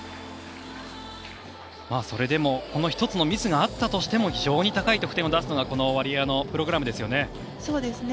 それでもこの１つのミスがあったとしても非常に高い得点を出すのがワリエワのプログラムですよね。